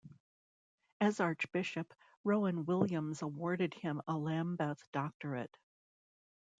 As archbishop, Rowan Williams awarded him a Lambeth doctorate.